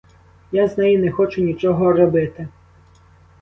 Я з неї не хочу нічого робити.